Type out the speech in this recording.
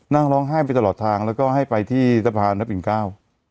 นั่งร้องไห้ไปตลอดทางแล้วก็ให้ไปที่สะพานพระปิ่นเก้า